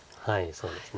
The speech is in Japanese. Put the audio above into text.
そうですね。